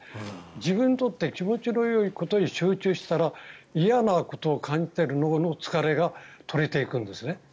自分にとって気持ちのよいことに集中したら嫌なことを感じている脳の疲れが取れていくんですね。